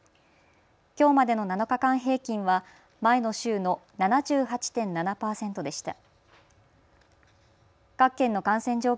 きょうまでの７日間平均は前の週の７８．７％でした。